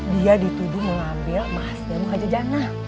dia dituduh mengambil emas yang menghaja jana